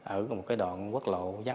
ở một cái đoạn quốc lộ